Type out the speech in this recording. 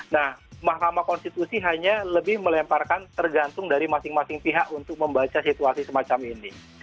nah mahkamah konstitusi hanya lebih melemparkan tergantung dari masing masing pihak untuk membaca situasi semacam ini